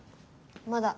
まだ。